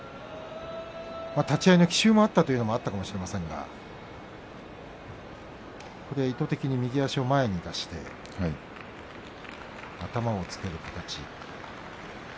立ち合い奇襲があったということもあったかもしれませんが意図的に右足を前に出して頭をつける形。